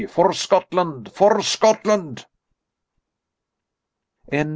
For Scotland! For Scotland!"